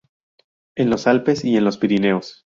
En los Alpes y en los Pirineos.